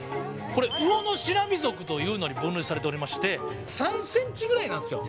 これウオノシラミ属というのに分類されておりまして３ｃｍぐらいなんですよ。